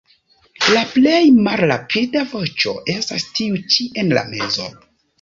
La plej malrapida voĉo estas tiu ĉi en la mezo.